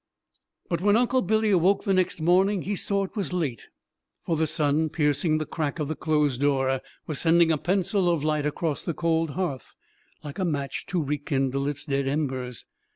But when Uncle Billy awoke the next morning he saw it was late; for the sun, piercing the crack of the closed door, was sending a pencil of light across the cold hearth, like a match to rekindle its dead embers.